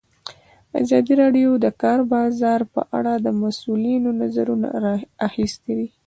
ازادي راډیو د د کار بازار په اړه د مسؤلینو نظرونه اخیستي.